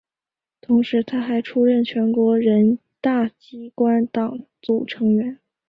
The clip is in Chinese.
同时她还出任全国人大机关党组成员。